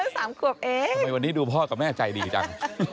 ทำไมวันนี้ดูพ่อกับแม่ใจดีจัง